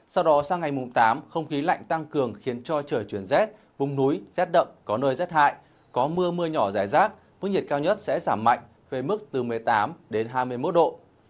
sau đó sang ngày mùng tám không khí lạnh tăng cường khiến cho trời chuyển rét vùng núi rét đậm có nơi rét hại có mưa mưa nhỏ rải rác mức nhiệt cao nhất sẽ giảm mạnh về mức từ một mươi tám đến hai mươi một độ